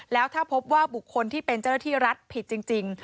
แล้วถ้าพบว่าบุคคลที่เป็นเจ้าหน้าที่รัฐผิดจริง